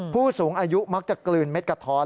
ผู้สูงอายุมักจะกลืนเม็ดกะท้อน